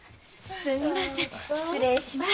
すみません失礼します。